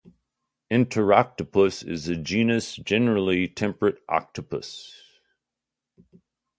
"Enteroctopus" is a genus of generally temperate octopus.